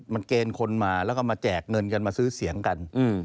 มันเกณฑ์คนมาแล้วก็มาแจกเงินกันมาซื้อเสียงกัน